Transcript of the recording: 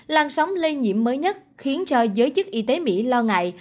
làn sóng lây nhiễm mới nhất khiến cho giới chức y tế mỹ lo ngại